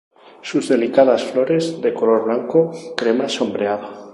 Sus delicadas flores de color blanco, crema sombreado.